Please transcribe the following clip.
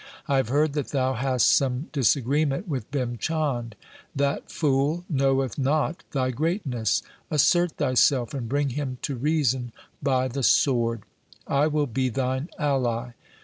I have heard that thou hast some dis LIFE OF GURU GOBIND SINGH 13 agreement with Bhim Chand. That fool knoweth not thy greatness. Assert thyself and bring him to reason by the sword. I will be thine ally.